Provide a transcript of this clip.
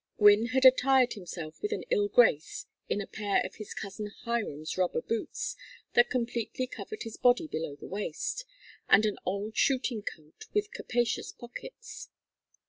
Gwynne had attired himself with an ill grace in a pair of his cousin Hiram's rubber boots that completely covered his body below the waist, and an old shooting coat with capacious pockets.